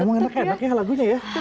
emang enak enak ya lagunya ya